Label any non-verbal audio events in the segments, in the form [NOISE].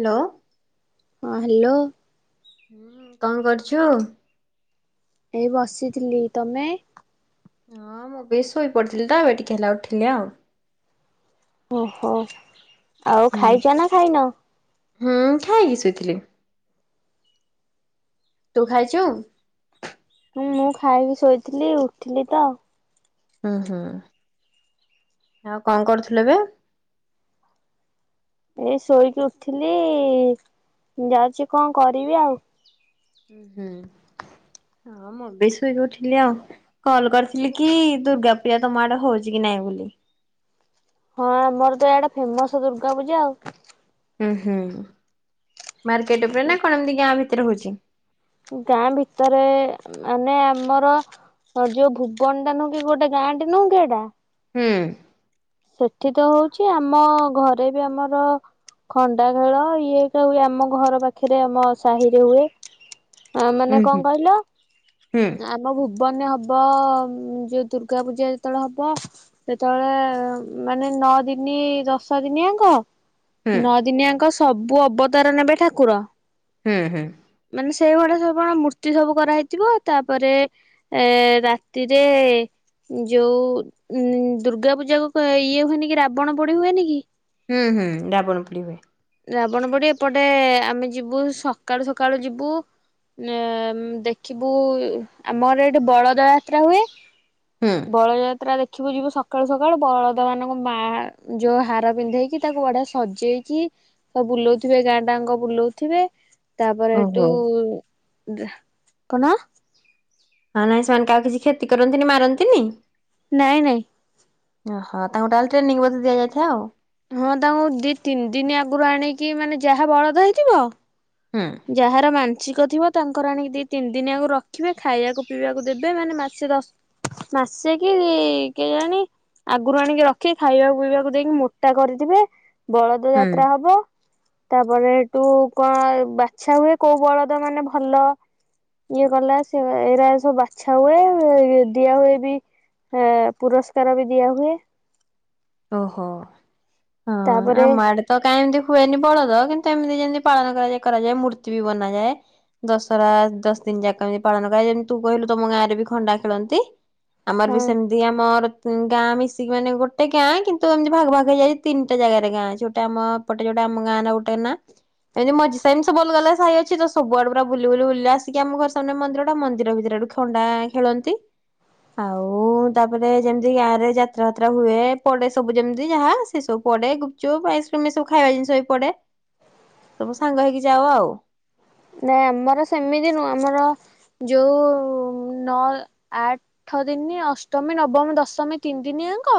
Hello. ହଁ hello. ହୁଁ କଣ କରୁଛୁ? ଏଇ ବସିଥିଲି ତମେ? ହଁ ମୁଁ ବି ଶୋଇ ପଡିଥିଲି ତ ଏବେ ଟିକେ ହେଲା ଉଠିଲି ଆଉ। ଓହୋ ଆଉ ହୁଁ। ଖାଇଛ ନା ଖାଇନ? ହୁଁ ଖାଇକି ଶୋଇଥିଲି, ତୁ ଖାଇଛୁ? ହଁ ମୁଁ ଖାଇକି ଶୋଇଥିଲି ଉଠିଲି ତ ହୁଁ ହୁଁ ଆଉ କଣ କରୁଥିଲୁ ଏବେ? ଏଇ ଶୋଇକି ଉଠିଲି ଯାଉଛି କଣ କରିବି ଆଉ। ହୁଁ, ହଁ ମୁଁ ବି ଶୋଇକି ଉଠିଲି ଆଉ। କଲ କରିଥିଲି କି ଦୁର୍ଗା ପୂଜା ତମ ଆଡେ ହଉଛି କି ନାଇଁ ବୋଲି। ହଁ ଆମର ତ ଆଡେ ଫେମସ ଦୁର୍ଗା ପୂଜା ଆଉ। ହୁଁ ହୁଁ ମାର୍କେଟ ଉପରେ ନା କଣ ଏମିତି ଗାଁ ଭିତରେ ହଉଛି। ଗାଁ ଭିତରେ ମାନେ ଆମର ହଉ ଯୋଉ ଭୁବନ ଟା ନୁଁ କି ଗୋଟେ ଗାଁଟେ ନଉଁ କି ଏଇଟା ହୁଁ। ସେଠି ତ ହଉଛି ଆମ ଘରେ ବି ଆମର ଖଣ୍ଡା ଖେଳ [UNINTELLIGIBLE] ହୁଏ ଆମ ଘର ପାଖରେ ଆମ ସାହିରେ ହୁଏ। ଆ ହୁଁ ମାନେ ହୁଁ କଣ କହିଲ ହୁଁ ଆମ ଭୁ ଭୁବନରେ ହେବ ଯଉ ଦୁର୍ଗା ପୂଜା ଯେତେବେଳେ ହବ ସେତେବେଳେ ମାନେ ନଅ ଦିନି ଦଶ ଦିନିଆଙ୍କ ହୁଁ ନଅ ଦିନିଆଙ୍କ ସବୁ ଅବତାର ନେବେ ଠାକୁର। ହୁଁ ହୁଁ। ମାନେ ସେଇଭୁଡା ସବୁ କଣ ମୂର୍ତ୍ତି ସବୁ କରାହେଇଥିବ ତାପରେ ଏ ରାତିରେ ଯୋଉ ଉ ଦୁର୍ଗା ପୂଜା କ ଇଏ ହୁଏନି କି ରାବଣ ପଡି ହୁଏନି କି? ହୁଁ ହୁଁ ଡାବଣ ପୋଡି ହୁଏ। ରାବଣ ବୋଡି ଏପଟେ ଆମେ ଯିବୁ ସକାଳୁ ସକାଳୁ ଯିବୁ। ଉ ଦେଖିବୁ ଆମର ଏଠି ବଳଦ ଯାତ୍ରା ହୁଏ। ହୁଁ ବଳଯାତ୍ରା ଦେଖିବୁ ଯିବୁ ସକାଳୁ ସକାଳୁ ବଳ ମାନଙ୍କ ମା ଯୋଉ ହାର ପିନ୍ଧେଇକି ତାକୁ ବଢିଆ ସଜେଇକି ସ ବୁଲଉଥିବେ ଗାଁ ଡାଙ୍କ ବୁଲଉଥିବେ ତାପରେ ଓହୋ। ସେଡୁ କଣ? ହଁ ନାଇଁ ସେମାନେ କ ଆଉ କିଛି କ୍ଷତି କରନ୍ତିନି ମାରନ୍ତିନି। ନାଇଁ ନାଇଁ। ଓହୋ ତାଙ୍କୁ ତାହେଲେ ଟ୍ରେନିଂ ବୋଧେ ଦିଆଯାଇଥାଉ। ହଁ ତାଙ୍କୁ ଦି ତିନି ଦିନ ଆଗରୁ ଆଣିକି ମାନେ ଯାହା ବଳଦ ହେଇଥିବ- ହଁ। ଯାହାର ମାନସିକ ଥିବ ତାଙ୍କର ଆଣିକି ଦୁଇ ତିନି ଦିନି ଆଗକୁ ରଖିବେ ଖାଇବାକୁ ପିଇବାକୁ ଦେବେ ମାନେ ମାସେ ଦଶ- ମାସେ କି କେଜାଣି ଆଗରୁ ଆଣିକି ରଖି ଖାଇବା ପିଇବାକୁ ଦେଇକି ମୋଟା କରିଥିବେ। ବଳଦ ହୁଁ ଯାତ୍ରା ହବ ତାପରେ ଏଠୁ କଁ ଛା ହୁଏ କୋଉ ବଳଦ ମାନେ ଭଲ ଇଏ କଲା ସେ ଏରା ସବୁ ବାଛା ହୁଏ ଦିଆ ହୁଏ ବି ହେ ପୁରସ୍କାର ବି ଦିଆ ହୁଏ। ଓହୋ ହଁ ତାପରେ ଆମ ଆଡେ ତ କାଁଇ ଏମିତି ହୁଏନି ବଳଦ କିନ୍ତୁ ଏମିତି ଯେମିତି ପାଳନ କରାଯଏ କରାଯାଏ ମୂର୍ତ୍ତି ବି ବନାଯାଏ। ଦଶହରା ଦଶ ଦିନ ଯାକ ଏମିତି ପାଳନ କ ଯେମିତି ତୁ କହିଲୁ ତମ ଗାଁରେ ବି ଖଣ୍ଡା ଖେଳନ୍ତି। ଆମର ହଁ ବି ସେମିତି ଆମର ଗାଁ ମିଶିକି ମାନେ ଗୋଟେ ଗାଁ କିନ୍ତୁ ଏମିତି ଭାଗ ଭାଗ ହେଇଯାଇଚି ତିନିଟା ଜାଗାରେ ଗାଁ ଯୋଉଟା ଆମ ଏଟେ ଯୋଟେ ଆମ ଗାଁ ନା ଗୋଟେ ନା। ଏମିତି ମଝି ସାାଇମିତି ବ ଭଲ ଗଲେ ସାାଇ ଅଛି ତ ସବୁଡ ପୁରା ବୁ ବୁଲି ବୁଲି ଆସିକି ଆମ ଘର ସାମ୍ନା ମନ୍ଦିରଟା ମନ୍ଦର ଭିତରେ ଖଣ୍ଡା ଖେଳନ୍ତି ଆଉ ତାପରେ ଯେମିତି ଗାଁ ରେ ଯାତ୍ରା ଫାତ୍ରା ହୁଏ। ପଡେ ସବୁ ଯେମିତି ଯାହା ସେ ସବୁ ପଡେ ଗୁପଚୁପ୍ ଆଇସ୍କ୍ରିମ ଏ ସବୁ ଖାଇବା ଜିନିଷ ବି ପଡେ। ସବୁ ସାଙ୍ଗ ହେଇକି ଯାଉ ଆଉ। ନାଇଁ ଆମର ସେମିତି ନୁହଁ ଆମର ଯଉ ନଅ ଆଠ ଆଠ ଦିନ ଅଷ୍ଟମୀ ନବମୀ ଦଶମୀ ତିନି ଦିନି ଯାଙ୍କ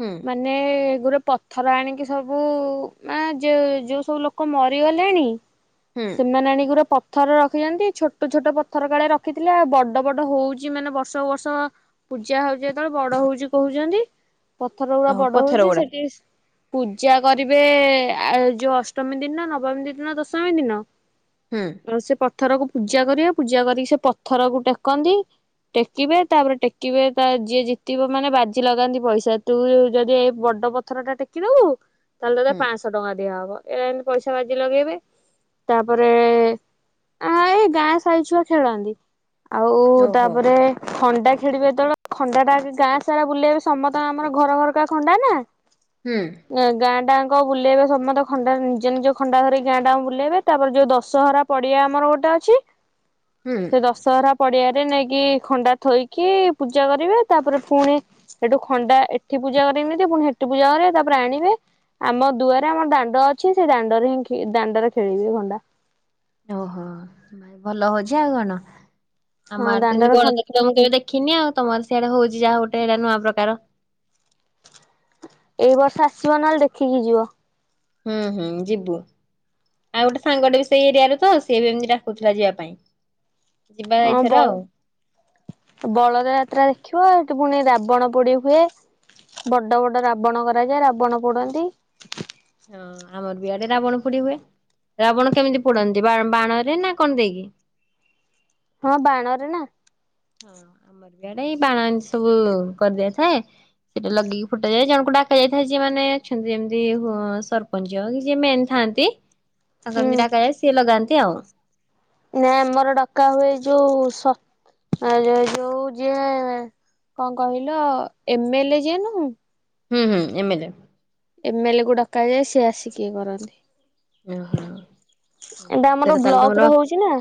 ହୁଁ ମାନେ ଗୋଟେ ପଥର ଆଣିକି ସବୁ ଯୋଉ ସବୁ ଲୋକ ମରିଗଲେଣି ହୁଁ ସେମାନେ ଆଣି ଗୁ ପ ପଥର ରଖିଛନ୍ତି ଛୋଟ ଛୋଟ ପଥର କାଳେ ରଖିଥିଲେ ଆଉ ବଡ ବଡ ହଉଛି ମାନେ ବର୍ଷ ବର୍ଷ ପୂଜା ହଉଚି ଯେତେବେଳେ ବଡ ହଉଚି କହୁଚନ୍ତି ପଥର ଗୁଡା ଓହୋ ବଡ ପଥର ହଉଚି ଗୁଡା ସେଠି ପୂଜା କରିବେ ଯୋଉ ଅଷ୍ଟମୀ ଦିନ ନବମୀ ଦିନ ଦଶମୀ ଦିନ। ହୁଁ। ଆଉ ସେ ପଥରକୁ ପୂଜା କରିବେ ପୂଜା କରିକି ସେ ପଥରକୁ ଟେକନ୍ତି। ଟେକିବେ ତାପରେ ଟେକିବେ ତା ଯିଏ ଜିତିବ ମାନେ ବାଜି ଲଗାନ୍ତି ପଇସା ତୁ ଯଦି ଏ ବଡ ପଥର ଟା ଟେକିଦବୁ ତାହେଲେ ହୁଁ ପାଂଶ ଶ ଟଙ୍କା ଦିଆହବ ଏତି ପଇସା ବାଜି ଲଗେଇବେ। ତାପରେ ଆ ଏ ଗାଁ ସାହି ଛୁଆ ଖେଳନ୍ତି। ଆଉ ଓହୋ ତାପରେ। ଖଣ୍ଡା ଖେଳିବେ ଯେେବେଳେ ଖଣ୍ଡା ଟା ଗାଁ ସାରା ବୁଲେଇବେ ସମସ୍ତଙ୍କ ଆମର ଘର ଘରକା ଖଣ୍ଡା ନା। ହୁଁ। ଗାଁ ଟା ଙ୍କ ବୁଲେଇବେ ସମସ୍ତେ ଖଣ୍ଡା ନିଜ ନିଜ ଖଣ୍ଡା ଧରିକି ଗାଁ ଟାଙ୍କୁ ବୁଲେଇବେ ତାପରେ ଯୋଉ ଦଶହରା ପଡ଼ିଆ ଆମର ଗୋଟେ ଅଛି ହୁଁ। ସେ ଦଶହରା ପଡିଆରେ ନେଇକି ଖଣ୍ଡା ଥୋଇକି ପୂଜା କରିବେ। ତାପରେ ପୁଣି ସେଠୁ ଖଣ୍ଡା ଏଠି ପୂଜା କରି ନେଇଥିବେ ପୁଣି ସେଠି ପୂଜା କରିବେ ତାପରେ ଆଣିବେ ଆମ ଦୁଆରେ ଆମର ଦାଣ୍ଡ ଅଛି ସେ ଦାଣ୍ଡରେ ହିଁ ଦାଣ୍ଡରେ ଖେଳିବେ ଖଣ୍ଡା। ଓହୋ ଭଲ ହଉଛି ଆଉ କଣ ଆମ ହଁ ଆଡ ତମତି ଦାଣ୍ଡରେ ଖଣ୍ଡା ବଳଦ ତ ମୁଁ କେବେ ଦେଖିନି ଆଉ ତମର ସେଇଆଡେ ହଉଛି ଯାହା ଗୋଟେ ଏଇଟା ନୂଆ ପ୍ରକାର ଏଇ ବର୍ଷ ଆସିବ ନହେଲେ ଦେଖିକି ଯିବ। ହୁଁ ହୁଁ ଯିବୁ। ଆଉ ଗୋଟେ ସାଙ୍ଗଟେ ବି ସେଇ ଏରିଆରେ ତ ସିଏ ବି ଏମିତି ଡାକୁଥିଲା ଯିବା ପାଇଁ। ଯିବା ହଁ ଏଇଥର ବ ଆଉ ବଳର ଯାତ୍ରା ଦେଖିବ ଏଠି ପୁଣି ରାବଣ ପୋଡି ହୁଏ। ବଡ ବଡ ରାବଣ କରାଯାଏ ରାବଣ ପୋଡନ୍ତି। ହଁ ଆମର ବି ଆଡେ ରାବଣ ପୋଡି ହୁଏ। ରାବଣ କେମିତି ପୋଡନ୍ତି ବାଣ ରେ ନା କଣ ଦେଇକି? ହଁ ବାଣରେ ନା। [INAUDIBLE] ସେଟା ଲଗେଇକି ଫୁଟାଯାଏ ଜଣଙ୍କୁ ଡାକ ଯାଇଥାଏ ଯିଏ ମାନେ ଅଛନ୍ତି ଯେମିତି ସରପଞ୍ଚ କି ଯିଏ ମେନ୍ ଥାଆନ୍ତି ତାଙ୍କର କିମିତି ହୁଁ ଡ଼ାକା ଯାଏ ସିଏ ଲଗାନ୍ତି ଆଉ। ନାଇ ଆମର ଡକା ହୁଏ ଯୋଉ ଆ ଯୋଉ ଯିଏ କଣ କହିଲ ଏମଏଲେ ଯିଏ ନୁହ ହୁଁ ହୁଁ ଏମେଲେ ଏମଏଲେ କୁ ଡକାଯାଏ ସିଏ ଆସି କିଏ କରନ୍ତି। ଓହୋ। ଏଇଟା ଆମର ସେଇଟା ତାହେଲେ ତମର ବ୍ଲକରେ ହଉଛି ନା।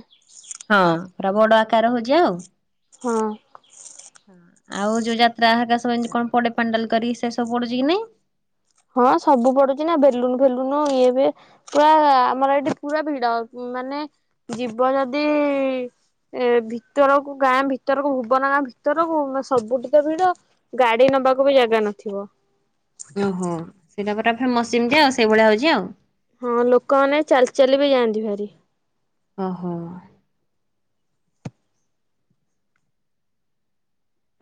ହଁ ପୁରା ବଡ ଆକାର ହଉଛି ଆଉ। ହଁ। ଆଉ ଯୋଉ ଯାତ୍ରା ଆକା ସବୁ କଣ ପଡେ ପାଣ୍ଡାଲ କରିକ ସେ ସବୁ ପଡୁଛି କି ନାଇଁ? ହଁ ସବୁ ପଡୁଛି ନା ବେଲୁନ ଫେଲୁନ ଇଏବେ ପୁରା ଆମର ଏଇଠି ପୁରା ଭିଡ ମାନେ ଯିବ ଯଦି ଏ ଭିତରକୁ ଗାଁ ଭିତରକୁ ଭୁବନ ଗାଁ ଭିତରକୁ ସବୁଠି ତ ଭିଡ। ଗାଡି ନବାକୁ ବି ଜାଗା ନଥିବ। ଓହୋ ସେଇଟା ପରା ଫେମୋଷ ସେମିତି ଆଉ ସେଇଭଳିଆ ହଉଛି ଆଉ। ହଁ ଲୋକ ମାନେ ଚାଲି ଚାଲି ବି ଯାଆନ୍ତି ଭାରି। ଓହୋ।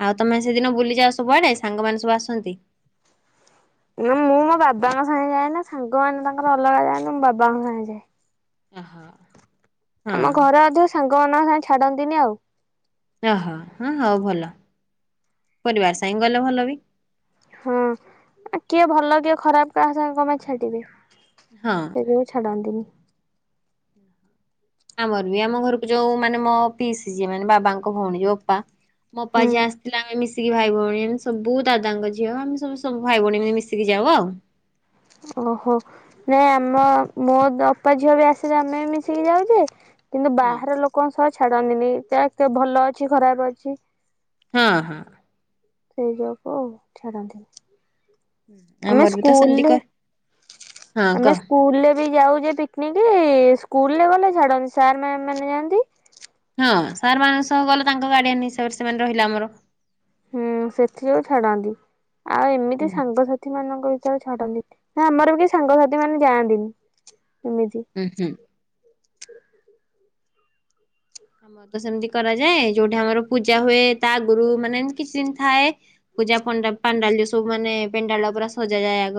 ଆଉ ତମେ ସେଦିନ ବୁଲିଯାଅ ସବୁଆଡେ ସାଙ୍ଗମାନେ ସବୁ ଆସନ୍ତି? ନା ମୁଁ ମୋ ବାବାଙ୍କ ସାଙ୍ଗେ ଯାଏ ନା ସାଙ୍ଗମାନେ ତାଙ୍କର ଅଲଗା ଯାଆନ୍ତି ମୁଁ ବାବାଙ୍କ ସାଙ୍ଗେ ଯାଏ। [INAUDIBLE] ଆମ ଘରେ ଅଧ ସାଙ୍ଗମାନାଙ୍କ ସାଙ୍ଗେ ଛାଡନ୍ତିନି ଆଉ। ଓହୋ ହଁ ହଉ ଭଲ ପରିବାର ସାଙ୍ଗେ ଗଲେ ଭଲ ବି। ହଁ କିଏ ଭଲ କିଏ ଖରାପ କାହା ସାଙ୍ଗେ କନ ପାଇଁ ଛାଡିବେ? ହଁ। ସେଇ ଯୋଗୁଁ ଛାଡନ୍ତିନି। ଆମର ବି ଆମ ଘରକୁ ଯୋଉ ମାନେ ମୋ ପିସି ଯିଏ ମାନେ ବାବାଙ୍କ ଭଉଣୀ ଯୋଉ ଅପା ମୋ ଅପା ହୁଁ। ଯିଏ ଆସି ଥିଲା ଆମେ ମିଶିକି ଭାଇ ଭଉଣୀ ଆମେ ସବୁ ଦାଦା ଙ୍କ ଝିଅ ଆମେ ସବୁ ସବୁ ଭାଇ ଭଉଣୀ ମିଶିକି ଯାଉ ଆଉ। ଓହୋ ନାଇଁ ଆମ ମୋ ଅପା ଝିଅ ବି ଆସିଲେ ଆମେ ବି ମିଶିକି ଯାଉଯେ କିନ୍ତୁ ହଁ ବାହାର ଲୋକଙ୍କ ସହ ଛାଡନ୍ତିନି ତା ଭଲ ଅଛି ଖରାପ ଅଛି ହଁ ହଁ। ସେଇ ଯୋଗୁ ଛାଡ଼ନ୍ତିନି। ଆମେ ଆମର ବି ତ ସେମିତି ସ୍କୁଲେ କର ହଁ ଆମେ କହ ସ୍କୁଲରେ ବି ଯାଉଯେ ପିକ୍ ପିକନିକ୍ ସ୍କୁଲରେ ଗଲେ ଛାଡନ୍ତି ସାର୍ ମାମ ମାନେ ଯାଆନ୍ତି। ହଁ ସାର୍ ମାନେ ସହ ଗଲେ ତାଙ୍କ ଗାଡିଆନ ହିସାବରେ ସେମାନେ ରହିଲେ ଆମର। ହୁଁ ସେଥି ଯୋଗୁ ଛାଡନ୍ତି, ଆଉ ହୁଁ ଏମିତି ସାଙ୍ଗସା ସାଥି ମାନଙ୍କ ଭିତରେ ଛାଡନ୍ତି, ନା ଆମର ବି ସାଙ୍ଗସାଥି ମାନେ ଯାଆନ୍ତିନି ଏମିତି। ହୁଁ ହୁଁ। ଆମର ତ ସେମିତି କରାଯାଏ, ଯୋଉଠି ଆମର ପୂଜା ହୁଏ ତା ଆଗୁରୁ ମାନେ ଏମତି କିଛି ଦିନି ଥାଏ। ପୂଜା ପଣ୍ଡା ପାଣ୍ଡାଲ ସବୁ ମାନେ ପେଣ୍ଡାଲ ଟା ପୁରା ସଜା ଯାଏ ଆଗ।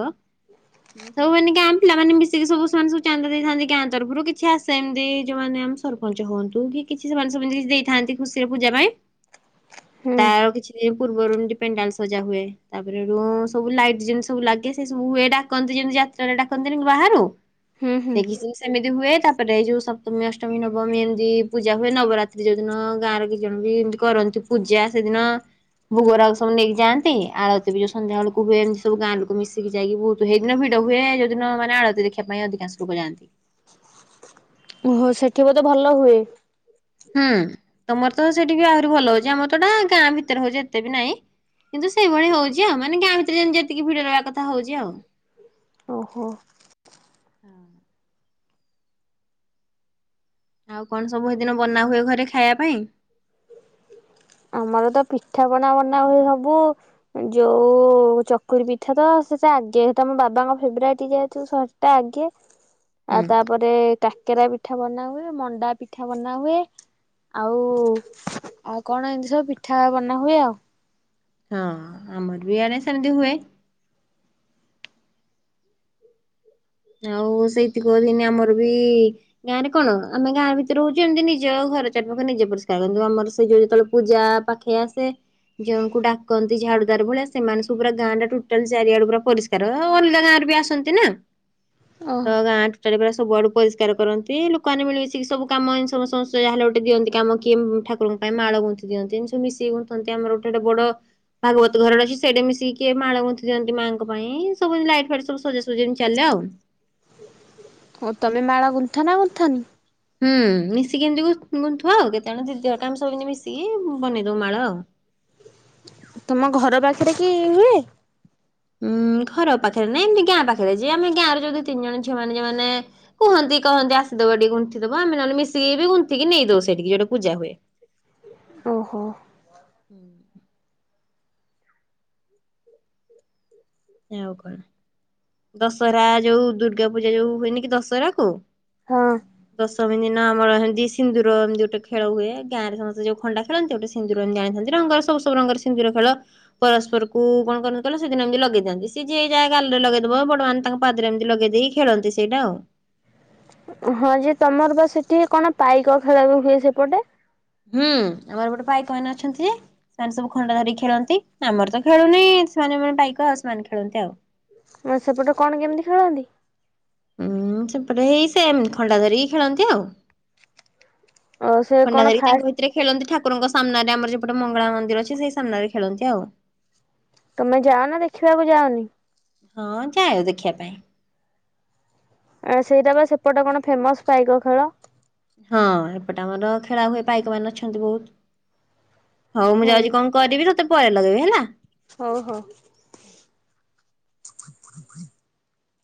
ସବୁ ମାନେ ଗାଁ ପିଲାମାନେ ମିଶିକି ସବୁ ସେମାନେ ସବୁ ଚାନ୍ଦା ଦେଇଥାନ୍ତି, ଗାଁ ତରଫରୁ କିଛି ଆସେ ଏମିତି ଯୋଉମାନେ ସରପଞ୍ଚ ହୁଅନ୍ତୁ, କି କିଛି ସେମାନେ ସେମାନେ କିଛି ଦେଇଥାନ୍ତି ଖୁସିରେ ପୂଜା ପାଇଁ, ହୁଁ ତାର କିଛି ସେ ପୂର୍ବରୁ ଏମିତି ପେଣ୍ଡାଲ ସଜା ହୁଏ। ତାପରେ ରୁ ସବୁ ଲାଇଟ୍ ଯେମି ସବୁ ଲାଗେ, ସେ ସବୁକୁ ଏ ଡାକନ୍ତି ଯେମିତି ଯାତ୍ରାରେ ଡାକନ୍ତିନି ବାହାରୁ। ହୁଁ ହୁଁ ସେ କିିଛି ଦିନି ସେମିତି ହୁଏ, ତାପରେ ଏଇ ଯୋଉ ସପ୍ତମୀ, ଅଷ୍ଟମୀ, ନବମୀ ଏମତି ପୂଜା ହୁଏ, ନବରାତ୍ରି ଯୋଉ ଦିନ ଗାଁରେ କିଛି ଜଣ ବି ଏମତି କରନ୍ତି ପୂଜା ସେଦିନ। ଭୋଗରାଗ ସବୁ ନେଇକି ଯାଆନ୍ତି, ଆଳତି ବି ଯୋଉ ସନ୍ଧ୍ୟାବେଳକୁ ହୁଏ। ଏମତି ସବୁ ଗାଁ ଲୋକ ମିଶିକି ଯାଇକି ବହୁତ ସେଇ ଦିନ ଭିଡ ହୁଏ, ଯୋଉଦିନ ମାନେ ଆଳତୀ ଦେଖିବା ପାଇଁ ଅଧିକାଂଶ ଲୋକ ଯାଆନ୍ତି। ଓହୋ ସେଠି ବୋଧେ ଭଲ ହୁଏ। ହୁଁ ତମର ତ ସେଠି ବି ଆହୁରି ଭଲ ହଉଚି, ଆମର ତଏଟା ଗାଁ ଭିତରେ ହଉଛି ଏତେ ବି ନାଇଁ। କିନ୍ତୁ ସେଇଭଳି ହଉଛି ଆଉ, ମାନେ ଗାଁ ଭିତରେ ଯେମ ଯେତିକି ଭିଡ ରହିିବା କଥା ହଉଛି ଆଉ। ଓହୋ। ଆଉ କଣ ସବୁ ସେଦିନ ବନା ହୁଏ ଘରେ ଖାଇବା ପାଇଁ? ଆମର ତ ପିଠାପନା ବନା ହୁଏ ସବୁ। ଯୋଉ ଚକୁରି ପିଠା ତ ସେଟା ଆଗେ, ସେଟା ମୋ ବାବାଙ୍କ ଫେବରାଇଟ୍ ଯେହତୁ ସେଟା ଆଗେ। ହୁଁ ଆଉ ତାପରେ କାକେରା ପିଠା ବନାହୁଏ, ମଣ୍ଡା ପିଠା ବନାହୁଏ। ଆଉ ଆଉ କଣ ଏମିତି ସବୁ ପିଠା ବନା ହୁଏ ଆଉ। ହଁ ଆମର ବି ଇଆଡେ ସେମିତି ହୁଏ। ଆଉ ସେଇଥି କୁହନ୍ତିନୀ ଆମର ବି ଗାଁରେ କଣ ଆମେ ଗାଁ ଭିତରେ ରହୁଛୁ, ଏମିତି ନିଜ ଘର ଚାରିପାଖରେ ନିଜ ପରିଷ୍କାର କରୁ, ଆମର ସେଇ ଯଉ ଯେତେବେଳେ ପୂଜା ପାଖ ଖେଇ ଆସେ, ଜଣଙ୍କୁ ଡାକନ୍ତି ଝାଡୁଦାର ଭଳିଆ ସେମାନେ ସବୁ ପୁରା ଗାଁ ଟା ଟୋଟାଲ ଚାରିଆଡେ ପୁରା ପରିସ୍କା ର ଅଲଗା ଗାଁ ରେ ବି ଆସନ୍ତି ନା ଆଉ ତ ଗାଁ ଟୋଟାଲ ପୁରା ସବୁଆଡୁ ପରିଷ୍କାର କରନ୍ତି, ଲୋକମାନେ ମିଳିିମିଶିକି ସବୁ କାମ ସମସ୍ତ ଯାହେଲେ ଗୋଟେ ଦିଅନ୍ତି କାମ କିଏ ଠାକୁରଙ୍କୁ ପାଇଁ ମାଳ ଗୁନ୍ଥିି ଦିଅନ୍ତି, ଏମିତି ସବୁ ମିଶୀକି ଗୁନ୍ଥନ୍ତି ଆମର ଗୋଟେ ଗୋଟେ ବଡ ଭାଗବତ ଘର ଗୋଟେ ଅଛି, ସେଇଟି ମିଶିକିଏ ମାଳ ଗୁନ୍ଥି ଦିଅନ୍ତି ମାଙ୍କ ପାଇଁ ସବୁ ଲାଇଟ ଫାଇଟ୍ ସବୁ ସଜା ସଜି ଏମିତିି ଚାଲେ ଆଉ। ଆଉ ତମେ ମାଳ ଗୁନ୍ଥ ନା ଗୁନ୍ଥନି? ହୁଁ ମିଶିକି ଏମିତି ଗୁ ଗୁନ୍ଥୁ ଆଉ, କେତେବେଳେ ଦିଦି ହେରିକା ଆମେ ସବୁ ଏମିତି ମିଶିକି ବନେଇ ଦଉ ମାଳ ଆଉ। ତମ ଘର ପାଖରେ କି ହୁଏ? ଉୁଁ ଘର ପାଖରେ ନାଇଁ ଏମିତି ଗାଁ ପାଖରେ, ଯେ ଆମ ଗାଁରେ ଯୋଉ ଦି ତିନି ଜଣ ଝିଆମାନେ ଯୋଉ ମାନେ କୁହନ୍ତି କହନ୍ତି ଆସିଦବ ଟିକେ ଗୁନ୍ଥିଦବ, ଆମେହେଲେ ମିଶିକିରି ଗୁନ୍ଥିକିରି ନେଇଦଉ ସେଠିକି ଯୋଉଠି ପୂଜା ହୁଏ। ଓହୋ। [UNINTELLIGIBLE] ଆଉ କଣ? ଦଶହରା ଯୋଉ ଦୁର୍ଗା ପୂଜା ଯୋଉ ହୁଏନି କି ଦଶହରା କୁ। ହଁ। ଦଶମୀ ଦିନ ଆମର ହେମିତି ସିନ୍ଦୁର ଏମିତି ଗୋଟେ ଖେଳ ହୁଏ, ଗାଁ ରେ ସମସ୍ତେ ଯୋଉ ଖଣ୍ଡା ଖେଳନ୍ତି ଗୋଟେ ସିନ୍ଦୁର ଏମ୍ତି ଆଣିଥାନ୍ତି, ରଙ୍ଗର ସବୁ-ସବୁ ରଙ୍ଗରେ ସିନ୍ଦୁର ଖେଳ। ପରସ୍ପରକୁ କଣ କରନ୍ତି କହିଲ, ସେଦିନ ଏମ୍ତି ଲଗେଇ ଦିଅନ୍ତି, ସିଏ ଯିଏ ଯାହା ଗାଲରେ ଲଗେଇଦବ ବଡ ମାନେ ତାଙ୍କ ପାଦରେ ଏମ୍ତି ଲଗେଇ ଦେଇକି ଖେଳନ୍ତି ସେଇଟା ଆଉ। ହଁ ଯେ ତମର ବା ସେଠି କଣ ପାଇକ ଖେଳ ବି ହୁଏ ସେପଟେ? ହୁଁ ଆମର ଏପଟେ ପାଇକ ମାନେ ଅଛନ୍ତି। ସେମାନେ ସବୁ ଖଣ୍ଡା ଧରିିକ ଖେଳନ୍ତି, ଆମର ତ ଖେଳୁନି ସେମାନେ ମାନେ ପାଇକ ଆଉ ସେମାନେ ଖେଳନ୍ତି ଆଉ। [UNINTELLIGIBLE] ସେପଟେ କଣ କେମ୍ତି ଖେଳନ୍ତି? ଉୁଁ ସେପଟେ ହେଇ ସେମ୍ ଖଣ୍ଡା ଧରିକି ଖେଳନ୍ତି ଆଉ। ଓ ସେ ଖଣ୍ଡା କଣ ଧାରିକି ତାଙ୍କ ଫାଷ୍ଟ ଭି ତେରେ ଖେଳନ୍ତି ଠାକୁରଙ୍କ ସାମ୍ନାରେ ଆମର ସେପଟେ ମଙ୍ଗଳା ମନ୍ଦିର ଅଛି, ସେଇ ସାମ୍ନାରେ ଖେଳନ୍ତି ଆଉ। ତମେ ଯାଅ ନା ଦେଖିବାକୁ ଯାଅନି? ହଁ ଯାଉ ଦେଖିଆ ପାଇଁ। ଆଁ ସେଇଟା ବା ସେପଟେ କଣ ଫେମସ୍ ପାଇକ ଖେଳ। ହଁ ଏପଟେ ଆମର ଖେଳା ହୁଏ ପାଇକ ମାନେ ଅଛନ୍ତି ବହୁତ୍। ହଉ ମୁଁ ହଁ। ଯାଉଚି କଣ କରିବି, ତତେ ପରେ ଲଗେଇବି ହେଲା। ହଉ-ହଉ।